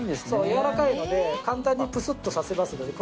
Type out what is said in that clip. やわらかいので簡単にプスッと刺せますので。